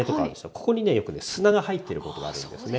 ここにねよくね砂が入ってることがあるんですね。